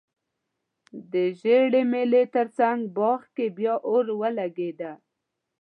د زړې مېلې ترڅنګ باغ کې بیا اور ولګیده